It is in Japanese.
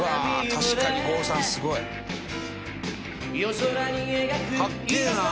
確かに郷さんすごい」「かっけえなあ！」